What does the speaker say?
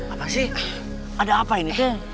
apa sih ada apa ini